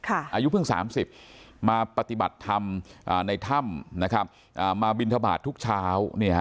อายุเพิ่ง๓๐มาปฏิบัติธรรมในถ้ำมาบินทบาททุกเช้า